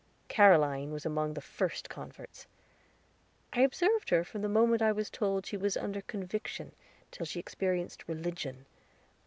Caroline was among the first converts. I observed her from the moment I was told she was under Conviction, till she experienced Religion.